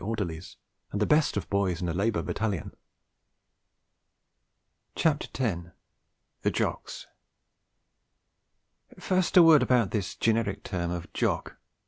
orderlies and the best of boys in a Labour Battalion. THE JOCKS First a word about this generic term of 'Jock.'